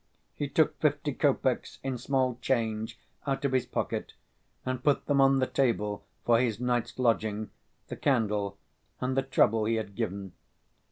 He took fifty kopecks in small change out of his pocket and put them on the table for his night's lodging, the candle, and the trouble he had given.